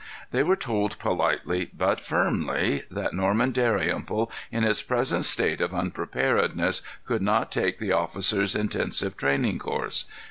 They were told politely but firmly that Norman Dalrymple, in his present state of unpreparedness, could not take the officers' intensive training course.